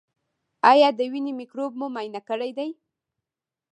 ایا د ینې مکروب مو معاینه کړی دی؟